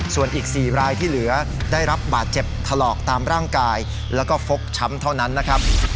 ส่วนอีก๔รายที่เหลือได้รับบาดเจ็บถลอกตามร่างกายแล้วก็ฟกช้ำเท่านั้นนะครับ